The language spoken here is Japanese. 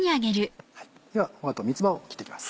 ではお後三つ葉を切ってきます。